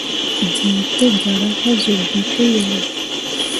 Dǝǝ tǝ gara ka zuu bii pǝ elle.